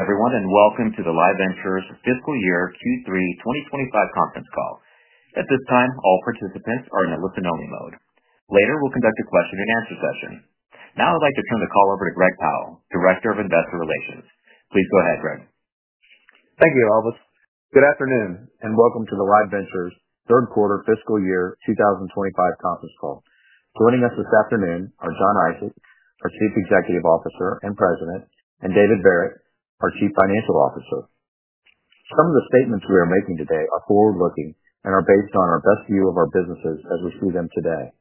Everyone, and welcome to the Live Ventures Fiscal Year Q3 2025 Conference Call. At this time, all participants are in a listen-only mode. Later, we'll conduct a question-and-answer session. Now, I'd like to turn the call over to Greg Powell, Director of Investor Relations. Please go ahead, Greg. Thank you, Albus. Good afternoon, and welcome to the Live Ventures third quarter fiscal year 2025 conference call. Joining us this afternoon are Jon Isaac, our Chief Executive Officer and President, and David Verret, our Chief Financial Officer. Some of the statements we are making today are forward-looking and are based on our best view of our businesses as we see them today.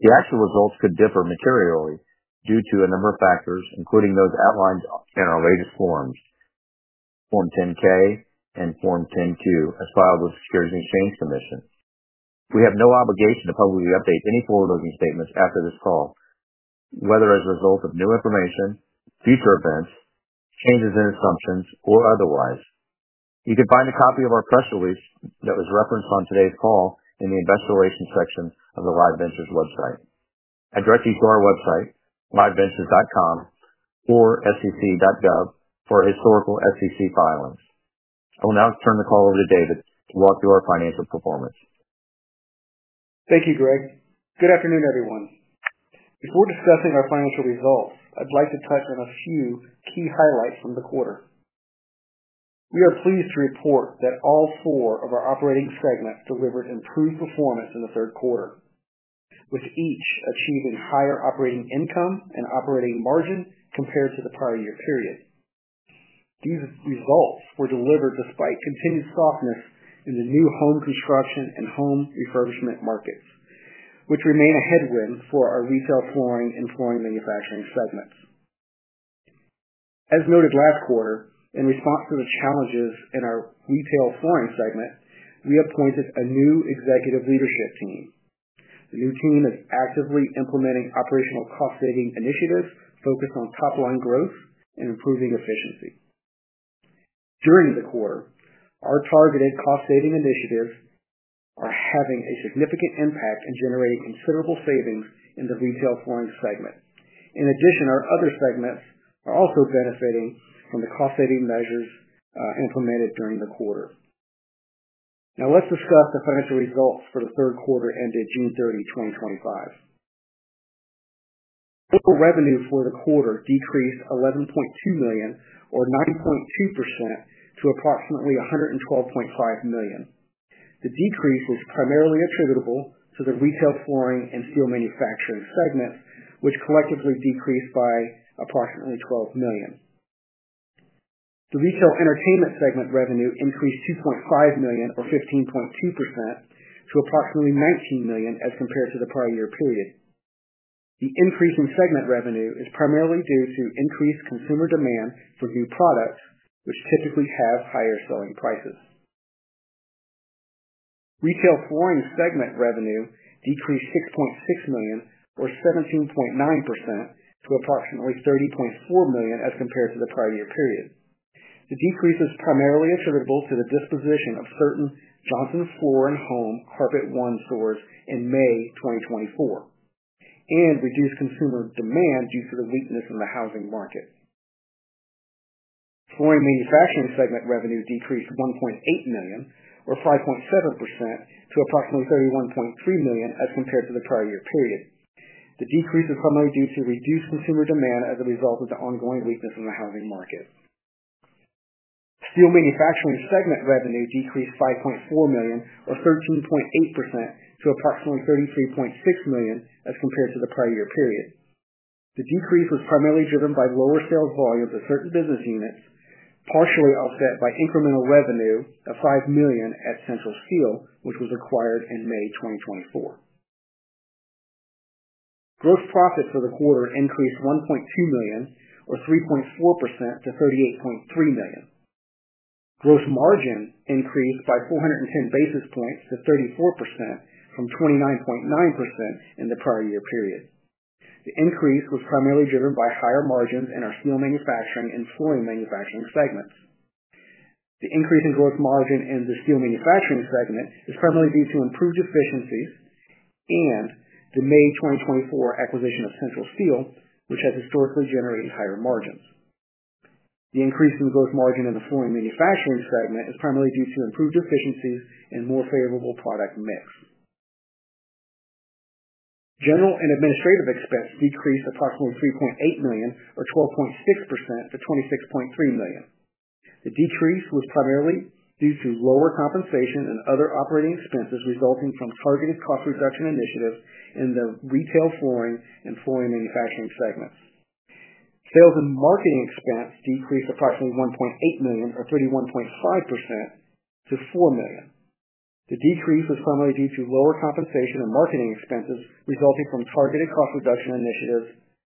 The actual results could differ materially due to a number of factors, including those outlined in our latest forms: Form 10-K and Form 10-Q, as filed with the Securities and Exchange Commission. We have no obligation to publicly update any forward-looking statements after this call, whether as a result of new information, future events, changes in assumptions, or otherwise. You can find a copy of our press release that was referenced on today's call in the Investor Relations section of the Live Ventures website. I direct you to our website, liveventures.com, or sec.gov for historical SEC filings. I will now turn the call over to David to walk through our financial performance. Thank you, Greg. Good afternoon, everyone. Before discussing our financial results, I'd like to touch on a few key highlights from the quarter. We are pleased to report that all four of our operating segments delivered improved performance in the third quarter, with each achieving higher operating income and operating margin compared to the prior year period. These results were delivered despite continued softness in the new home construction and home refurbishment markets, which remain a headwind for our Retail-Flooring and Flooring Manufacturing segments. As noted last quarter, in response to the challenges in our Retail-Flooring segment, we appointed a new executive leadership team. The new team is actively implementing operational cost-saving initiatives focused on top-line growth and improving efficiency. During the quarter, our targeted cost-saving initiatives are having a significant impact in generating considerable savings in the Retail-Flooring segment. In addition, our other segments are also benefiting from the cost-saving measures implemented during the quarter. Now, let's discuss the financial results for the third quarter ended June 30, 2025. Total revenue for the quarter decreased $11.2 million, or 9.2%, to approximately $112.5 million. The decrease is primarily attributable to the Retail-Flooring and Steel Manufacturing segments, which collectively decreased by approximately $12 million. The Retail-Entertainment segment revenue increased $2.5 million, or 15.2%, to approximately $19 million as compared to the prior year period. The increase in segment revenue is primarily due to increased consumer demand for new products, which typically have higher selling prices. Retail-Flooring segment revenue decreased $6.6 million, or 17.9%, to approximately $30.4 million as compared to the prior year period. The decrease is primarily attributable to the disposition of certain Johnson Floor & Home Carpet One stores in May 2024 and reduced consumer demand due to the weakness in the housing market. Flooring Manufacturing segment revenue decreased $1.8 million, or 5.7%, to approximately $31.3 million as compared to the prior year period. The decrease is primarily due to reduced consumer demand as a result of the ongoing weakness in the housing market. Steel Manufacturing segment revenue decreased $5.4 million, or 13.8%, to approximately $33.6 million as compared to the prior year period. The decrease was primarily driven by lower sales volumes of certain business units, partially offset by incremental revenue of $5 million at Central Steel, which was acquired in May 2024. Gross profit for the quarter increased $1.2 million, or 3.4%, to $38.3 million. Gross margin increased by 410 basis points to 34% from 29.9% in the prior year period. The increase was primarily driven by higher margins in our steel manufacturing and flooring manufacturing segments. The increase in gross margin in the steel manufacturing segment is primarily due to improved efficiencies and the May 2024 acquisition of Central Steel, which has historically generated higher margins. The increase in gross margin in the flooring manufacturing segment is primarily due to improved efficiencies and more favorable product mix. General and administrative expense decreased approximately $3.8 million, or 12.6%, to $26.3 million. The decrease was primarily due to lower compensation and other operating expenses resulting from targeted cost reduction initiatives in the retail-flooring and flooring manufacturing segments. Sales and marketing expense decreased approximately $1.8 million, or 31.5%, to $4 million. The decrease was primarily due to lower compensation and marketing expenses resulting from targeted cost reduction initiatives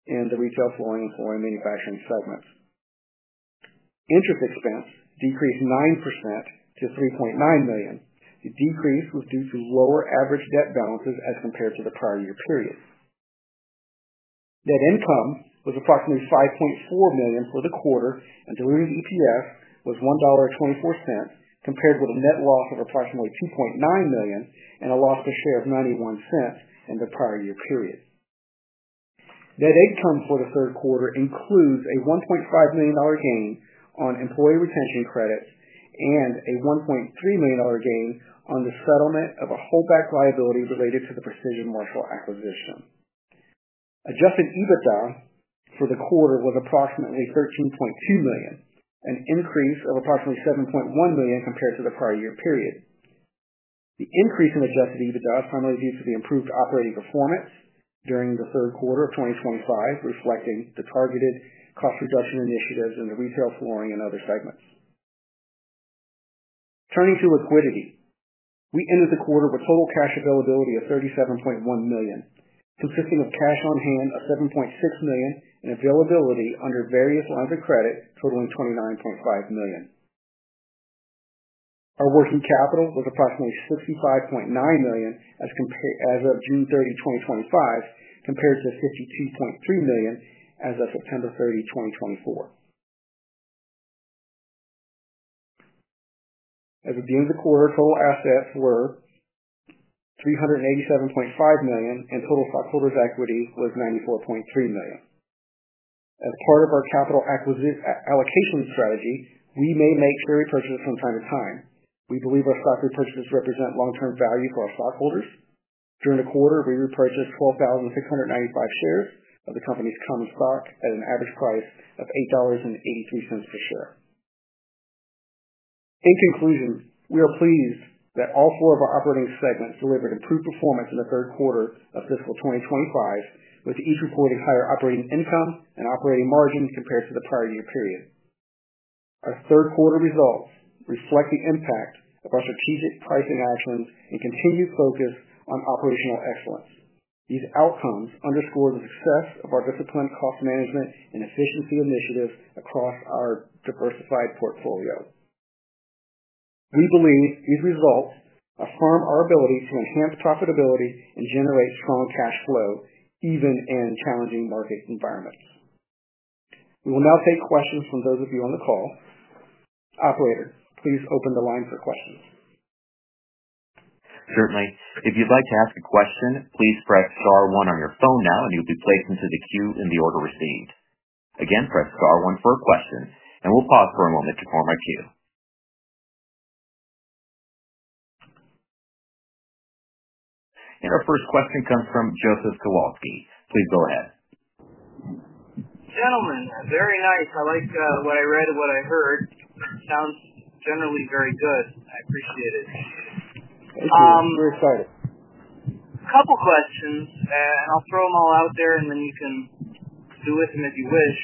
in the retail-flooring and flooring manufacturing segments. Interest expense decreased 9% to $3.9 million. The decrease was due to lower average debt balances as compared to the prior year period. Net income was approximately $5.4 million for the quarter, and diluted EPS was $1.24 compared with a net loss of approximately $2.9 million and a loss per share of $0.91 from the prior year period. Net income for the third quarter includes a $1.5 million gain on employee retention credits and a $1.3 million gain on the settlement of a hold-back liability related to the Precision Marshall acquisition. Adjusted EBITDA for the quarter was approximately $13.2 million, an increase of approximately $7.1 million compared to the prior year period. The increase in adjusted EBITDA is primarily due to the improved operating performance during the third quarter of 2025, reflecting the targeted cost reduction initiatives in the retail-flooring and other segments. Turning to liquidity, we ended the quarter with total cash availability of $37.1 million, consisting of cash on hand of $7.6 million and availability under various lines of credit totaling $29.5 million. Our working capital was approximately $65.9 million as of June 30, 2025, compared to $52.3 million as of September 30, 2024. At the beginning of the quarter, total assets were $387.5 million, and total stockholders' equity was $94.3 million. As part of our capital allocation strategy, we may make equity purchases from time to time. We believe our stock purchases represent long-term value for our stockholders. During the quarter, we repurchased 12,695 shares of the company's common stock at an average cost of $8.83 per share. In conclusion, we are pleased that all four of our operating segments delivered improved performance in the third quarter of fiscal 2025, with each reporting higher operating income and operating margins compared to the prior year period. Our third quarter results reflect the impact of our strategic pricing outcomes and continued focus on operational excellence. These outcomes underscore the success of our disciplined cost management and efficiency initiatives across our diversified portfolio. We believe these results affirm our ability to enhance profitability and generate strong cash flow, even in challenging market environments. We will now take questions from those of you on the call. Operator, please open the line for questions. Certainly. If you'd like to ask a question, please press star one on your phone now, and you'll be placed into the queue in the order received. Again, press star one for a question. We'll pause for a moment to form our queue. Our first question comes from Joseph Kowalsky. Please go ahead. Gentlemen, very honest. I like what I read and what I heard. It sounds generally very good. I appreciate it. Very thoughtful. A couple of questions, and I'll throw them all out there, and then you can do with them if you wish.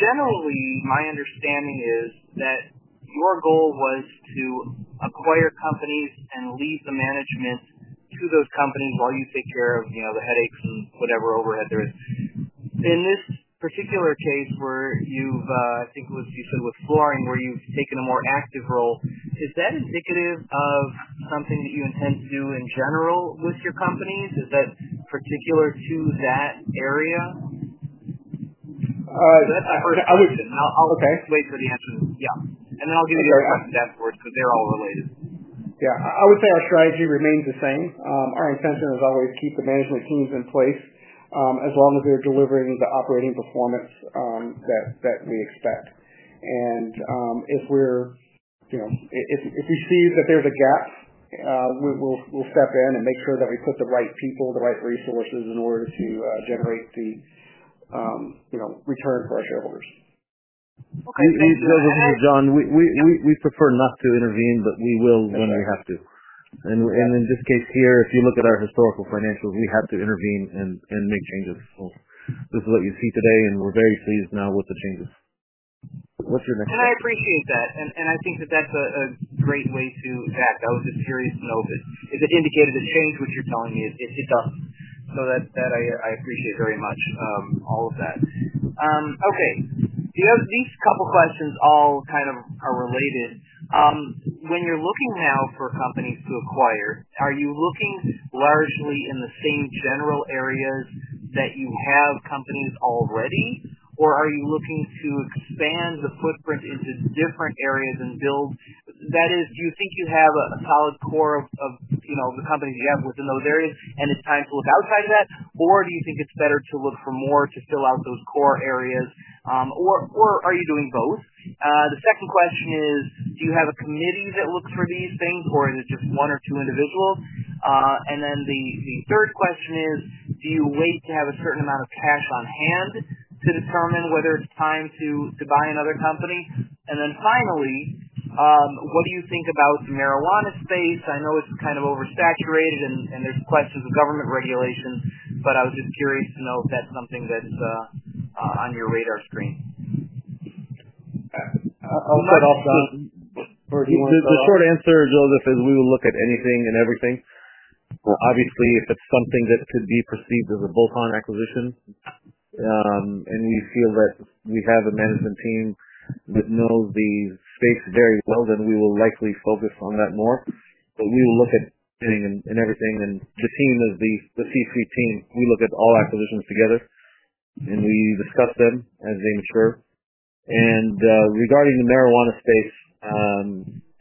Generally, my understanding is that your goal was to acquire companies and leave the management to those companies while you take care of, you know, the headaches and whatever overhead there is. In this particular case, where you've, I think it was you said with Flooring, where you've taken a more active role, is that indicative of something that you intend to do in general with your companies? Is that particular to that area? I'm okay. Wait till the answer, and then I'll give you the other questions. That's cool because they're all related. Yeah. I would say our strategy remains the same. Our intention is always to keep the management teams in place, as long as they're delivering the operating performance that we expect. If we see that there's a gap, we'll step in and make sure that we put the right people, the right resources in order to generate the return for our shareholders. Okay. Joseph, this is Jon. We prefer not to intervene, but we will when we have to. In this case here, if you look at our historical financials, we have to intervene and make changes. This is what you see today, and we're very pleased now with the changes. What's your next? I appreciate that. I think that's a great way to add that was a serious note. If it indicated a change, what you're telling me, I appreciate very much, all of that. Okay. These couple of questions all kind of are related. When you're looking now for companies to acquire, are you looking largely in the same general areas that you have companies already, or are you looking to expand the footprint into different areas and build? That is, do you think you have a solid core of the company you have within those areas and it's time to look outside of that, or do you think it's better to look for more to fill out those core areas? Or are you doing both? The second question is, do you have a community that looks for these things, or is it just one or two individuals? The third question is, do you wait to have a certain amount of cash on hand to determine whether it's time to buy another company? Finally, what do you think about the marijuana space? I know it's kind of oversaturated and there are questions of government regulation, but I was just curious to know if that's something that's on your radar screen. I'll start off, Jon, first. The short answer, Joseph, is we will look at anything and everything. Obviously, if it's something that could be perceived as a bolt-on acquisition, and we feel that we have a management team that knows the space very well, then we will likely focus on that more. We will look at anything and everything. The team is the CC team. We look at all acquisitions together, and we discuss them as they mature. Regarding the marijuana space,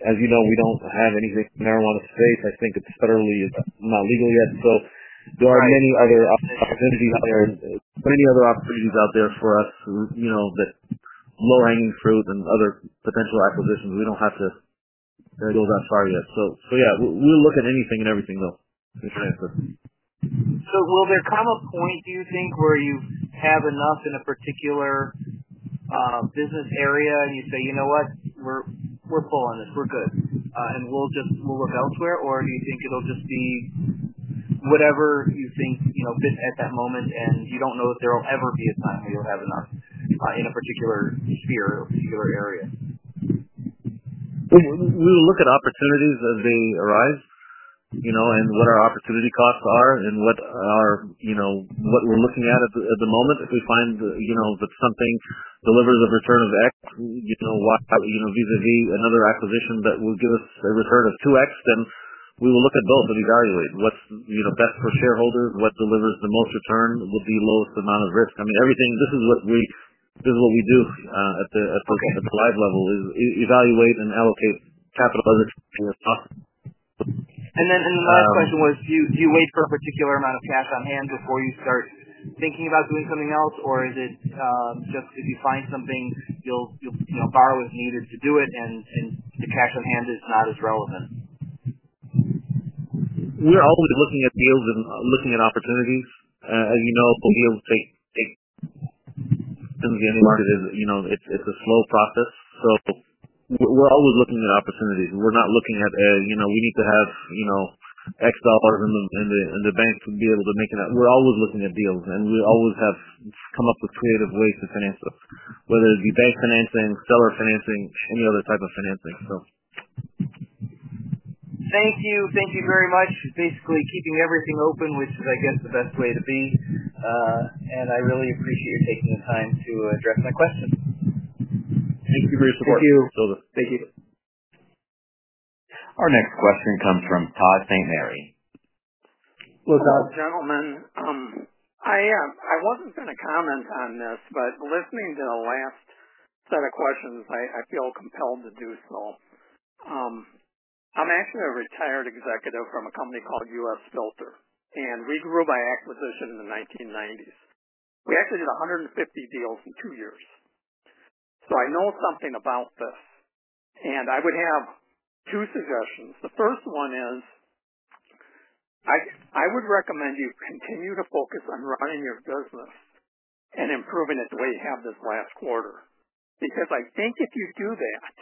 as you know, we don't have anything in the marijuana space. I think federally, it's not legal yet. There are many other opportunities out there for us, you know, that low-hanging fruit and other potential acquisitions. We don't have to go that far yet. Yeah, we'll look at anything and everything, though, is the answer. Will there come a point, do you think, where you have enough in a particular business area and you say, "You know what? We're pulling this. We're good," and we'll just move it elsewhere? Do you think it'll just be whatever you think at that moment, and you don't know that there will ever be a time where you'll have enough in a particular sphere or area? We will look at opportunities as they arise, you know, and what our opportunity costs are and what we're looking at at the moment. If we find that something delivers a return of X, you know, vis-à-vis another acquisition that will give us a return of 2X, then we will look at both and evaluate what's best for shareholders, what delivers the most return, what the lowest amount of risk is. I mean, this is what we do at the Live Ventures level, evaluate and allocate capital as much as possible. The last question was, do you wait for a particular amount of cash on hand before you start thinking about doing something else, or is it just if you find something, you'll borrow as needed to do it and the cash on hand is not as relevant? We're always looking at deals and looking at opportunities. As you know, taking things in the end of the market is, you know, it's a slow process. We're always looking at opportunities. We're not looking at, you know, we need to have, you know, X dollars in the bank to be able to make it out. We're always looking at deals, and we always have come up with creative ways to finance those, whether it be bank financing, seller financing, any other type of financing. Thank you. Thank you very much. You're basically keeping everything open, which is, I guess, the best way to be. I really appreciate you taking the time to address my questions. Thank you for your support. Thank you. Joseph. Thank you. Our next question comes from [Todd St. Mary. Hello, gentlemen. I wasn't going to comment on this, but listening to the last set of questions, I feel compelled to do so. I'm actually a retired executive from a company called US Filter, and we grew by acquisition in the 1990s. We actually did 150 deals in two years. I know something about this. I would have two suggestions. The first one is I would recommend you continue to focus on running your business and improving it the way you have this last quarter because I think if you do that,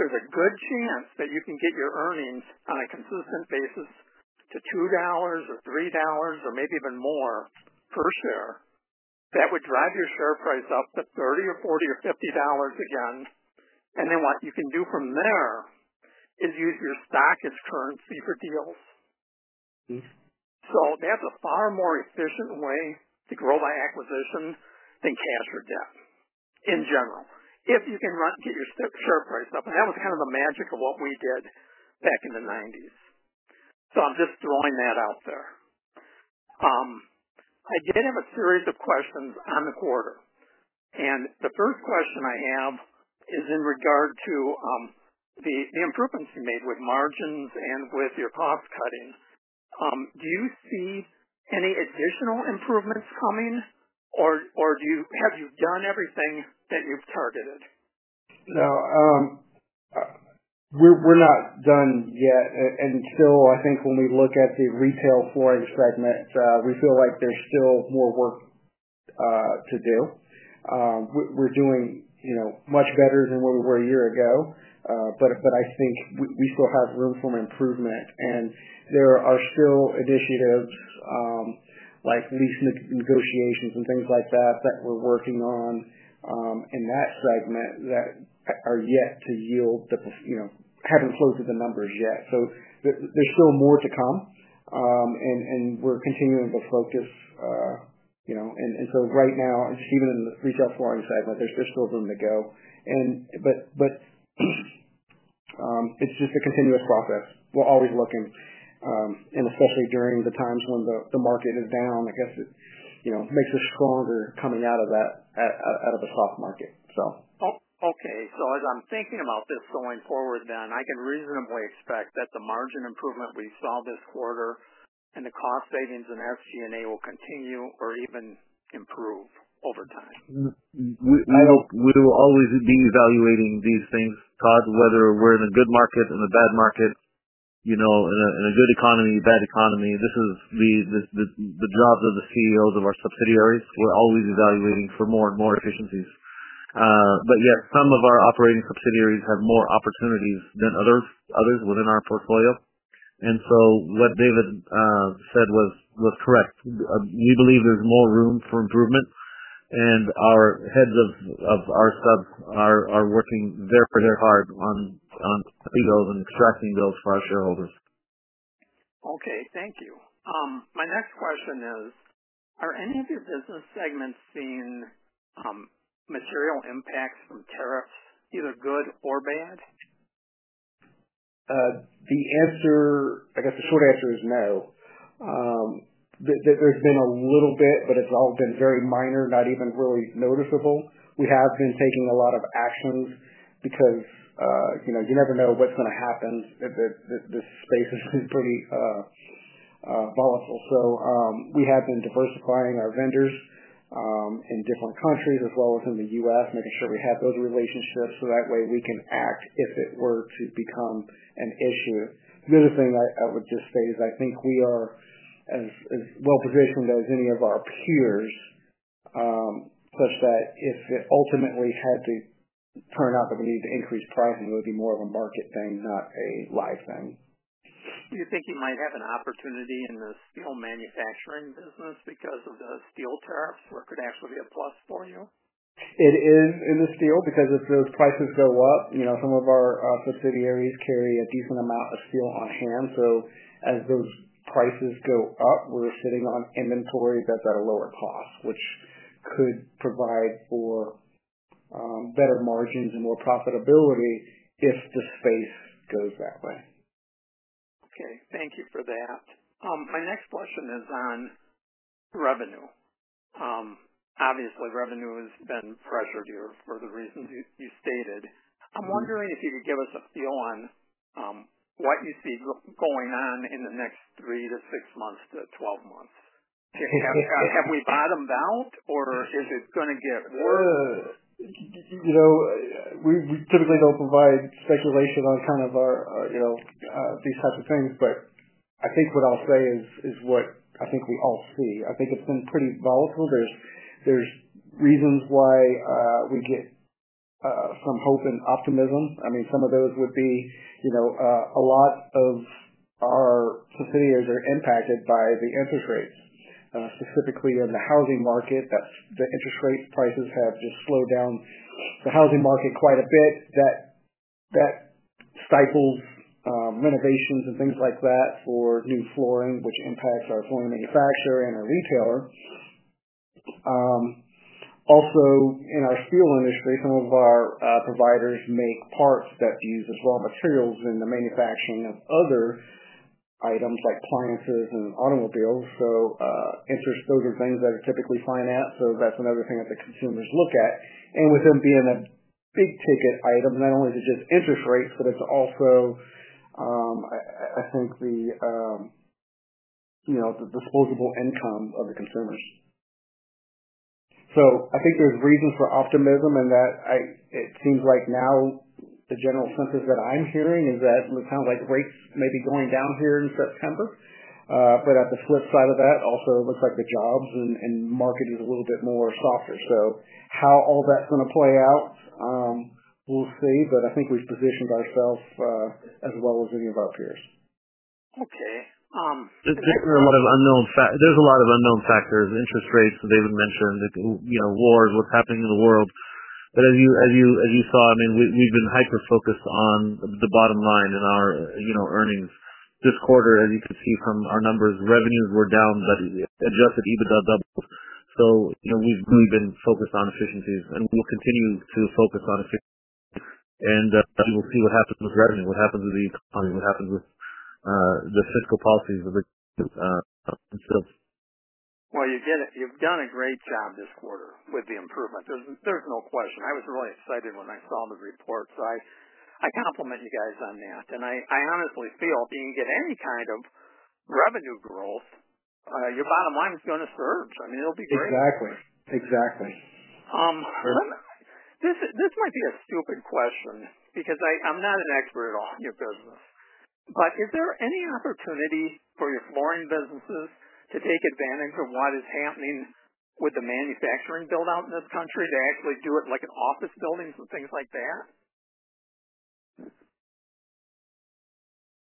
there's a good chance that you can get your earnings on a consistent basis to $2 or $3 or maybe even more per share. That would drive your share price up to $30 or $40 or $50 again. What you can do from there is use your stock as currency for deals. That's a far more efficient way to grow by acquisition than cash or debt in general. If you can keep your share price up, that was kind of the magic of what we did back in the 1990s. I'm just throwing that out there. I did have a series of questions on the quarter. The first question I have is in regard to the improvements you made with margins and with your cost cutting. Do you see any additional improvements coming, or have you done everything that you've targeted? No, we're not done yet. Still, I think when we look at the Retail-Flooring segment, we feel like there's still more work to do. We're doing much better than where we were a year ago, but I think we still have room for improvement. There are still initiatives, like lease negotiations and things like that, that we're working on in that segment that are yet to yield the, you know, haven't floated the numbers yet. There's still more to come, and we're continuing to focus. Right now, even in the Retail-Flooring segment, there's still room to go. It's just a continuous process. We're always looking, and especially during the times when the market is down, I guess it makes us stronger coming out of that, out of the cost market. As I'm thinking about this going forward, I can reasonably expect that the margin improvement we saw this quarter and the cost savings in SG&A will continue or even improve over time. We will always be evaluating these things, Todd, whether we're in a good market or in a bad market, you know, in a good economy or a bad economy. This is the job of the CEOs of our subsidiaries. We're always evaluating for more and more efficiencies. Yes, some of our operating subsidiaries have more opportunities than others within our portfolio. What David said was correct. We believe there's more room for improvement, and our heads of our subs are working very, very hard on putting those and extracting those for our shareholders. Okay. Thank you. My next question is, are any of your business segments seeing material impacts from tariffs, either good or bad? The answer, I guess the short answer is no. There's been a little bit, but it's all been very minor, not even really noticeable. We have been taking a lot of actions because, you know, you never know what's going to happen. The space is really volatile. We have been diversifying our vendors in different countries as well as in the U.S., making sure we have those relationships so that way we can act if it were to become an issue. The other thing that I would just say is I think we are as well positioned as any of our peers, but if it ultimately had to turn out that we need to increase pricing, it would be more of a market thing, not a Live thing. Do you think you might have an opportunity in the Steel Manufacturing business because of the steel tariffs? What could actually be a plus for you? It is in the steel because if those prices go up, you know, some of our subsidiaries carry a decent amount of steel on hand. As those prices go up, we're sitting on inventory that's at a lower cost, which could provide for better margins and more profitability if the space goes that way. Okay. Thank you for that. My next question is on revenue. Obviously, revenue has been present here for the reasons you stated. I'm wondering if you could give us a feel on what you see going on in the next three to 6 months to 12 months. Have we bottomed out, or is it going to get worse? We typically don't provide speculation on kind of our, you know, these types of things. I think what I'll say is what I think we all see. I think it's been pretty volatile. There's reasons why we get some hope and optimism. I mean, some of those would be, you know, a lot of our subsidiaries are impacted by the interest rates. Specifically in the housing market, the interest rate prices have just slowed down the housing market quite a bit. That stifles renovations and things like that for new flooring with impulse on Flooring Manufacturing and our retailer. Also, in our steel industry, some of our providers make parts that use raw materials in the manufacturing of other items like planters and automobiles. Interest, those are things that are typically financed. That's another thing that the consumers look at. With them being a big-ticket item, not only is it just interest rates, but it's also, I think, the disposable income of the consumers. I think there's reasons for optimism in that it seems like now the general census that I'm hearing is that it sounds like rates may be going down here in September. At the flip side of that, it also looks like the jobs and market is a little bit more softer. How all that's going to play out, we'll see. I think we've positioned ourselves as well as any of our peers. Okay. There's a lot of unknown factors: interest rates that David mentioned, wars, what's happening in the world. As you saw, we've been hyper-focused on the bottom line in our earnings. This quarter, as you can see from our numbers, revenues were down, but adjusted EBITDA doubled. We've really been focused on efficiencies, and we'll continue to focus on efficiencies. We'll see what happens with revenue, what happens with the economy, what happens with the fiscal policies of the United States. You did it. You've done a great job this quarter with the improvement. There's no question. I was really excited when I saw the report. I compliment you guys on that. I honestly feel if you can get any kind of revenue growth, your bottom line is going to surge. I mean, it'll be great. Exactly. Exactly. This might be a stupid question because I'm not an expert at all in your business. Is there any opportunity for your flooring businesses to take advantage of what is happening with the manufacturing build-out in the country to actually do it like an office building and things like that?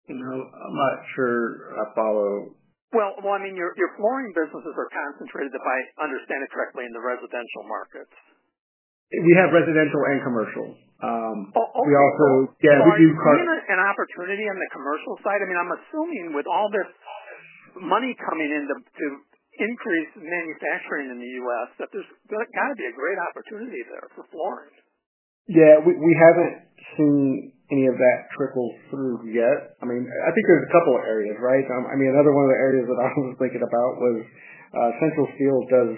You know, I'm not sure I follow. I mean, your flooring businesses are concentrated, if I understand it correctly, in the residential markets. We have residential and commercial. We also, yeah, we do car. Do you see an opportunity on the commercial side? I mean, I'm assuming with all this money coming in to increase manufacturing in the U.S., that there's got to be a great opportunity there for flooring. Yeah. We haven't seen any of that trickle through yet. I mean, I think there's a couple of areas, right? I mean, another one of the areas that I was thinking about was, Central Steel does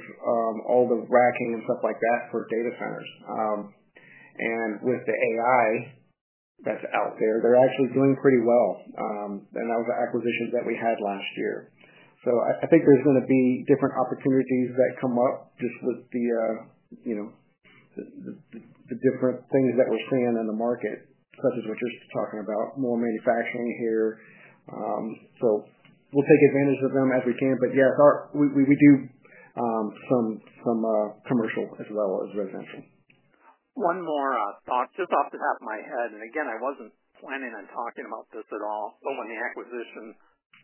all the racking and stuff like that for data centers, and with the AI that's out there, they're actually doing pretty well. That was an acquisition that we had last year. I think there's going to be different opportunities that come up just with the different things that we're seeing in the market, such as what this is talking about, more manufacturing here. We'll take advantage of them as we can. Yeah, we do some commercial as well as residential. One more thought just off the top of my head. I wasn't planning on talking about this at all, but when the acquisition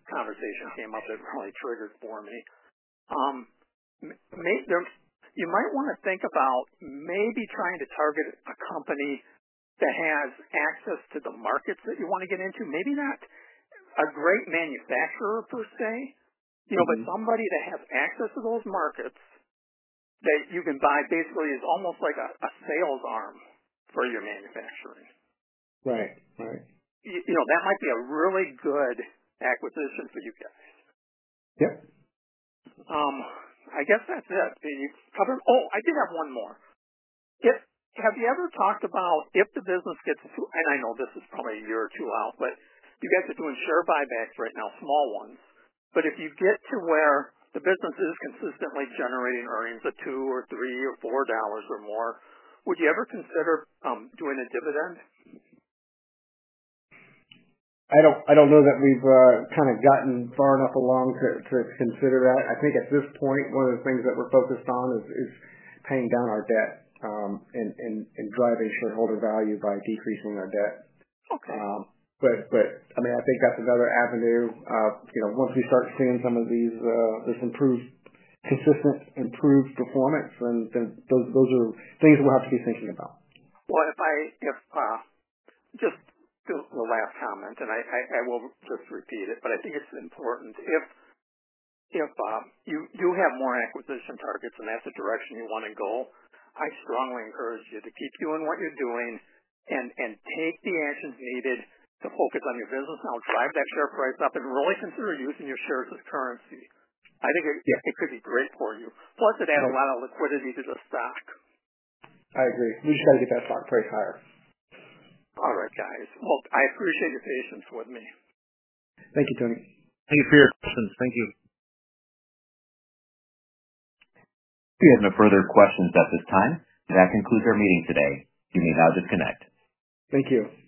conversation came up, that really triggered for me. You might want to think about maybe trying to target a company that has access to the markets that you want to get into. Maybe not a great manufacturer per se, but somebody that has access to those markets that you can buy, basically, as almost like a sales arm for your manufacturing. Right. Right. You know, that might be a really good acquisition for you guys. Yes. I guess that's it. You've covered. Oh, I did have one more. Have you ever talked about if the business gets to, and I know this is probably a year or two out, but you guys are doing share buybacks right now, small ones. If you get to where the business is consistently generating earnings of $2 or $3 or $4 or more, would you ever consider doing a dividend? I don't know that we've kind of gotten far enough along to consider that. I think at this point, one of the things that we're focused on is paying down our debt and driving shareholder value by decreasing our debt. I think that's another avenue. You know, once we start seeing some of this improved, consistent improved performance, then those are things we'll have to be thinking about. If I just do a last comment, and I will just repeat it, but I think it's important if you have more acquisition targets and that's the direction you want to go, I strongly encourage you to keep doing what you're doing and take the actions needed to focus on your business. Now, drive that share price up and really consider using your shares as currency. I think it could be great for you. Plus, it'd add a lot of liquidity to the stock. I agree. You just got to get that stock price higher. All right, guys. I appreciate your patience with me. Thank you, Tony. Thank you for your patience. Thank you. We have no further questions at this time. That concludes our meeting today. You may now disconnect. Thank you.